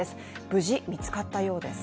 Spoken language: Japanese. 無事、見つかったようです。